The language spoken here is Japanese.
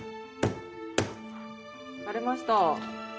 割れました。